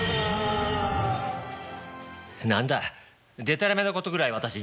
何だでたらめなことぐらい私にも。